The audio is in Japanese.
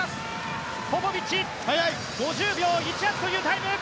ポポビッチ、５０秒１８というタイム。